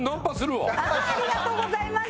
ありがとうございます！